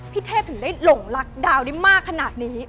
เทพถึงได้หลงรักดาวได้มากขนาดนี้